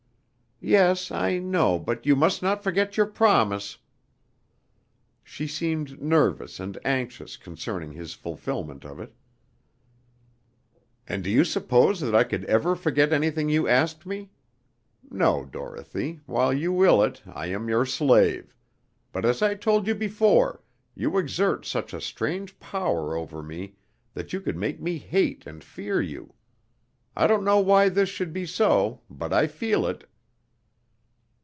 "Yes, I know; but you must not forget your promise." She seemed nervous and anxious concerning his fulfillment of it. "And do you suppose that I could ever forget anything you asked me? No, Dorothy, while you will it, I am your slave; but, as I told you before, you exert such a strange power over me that you could make me hate and fear you. I don't know why this should be so, but I feel it!"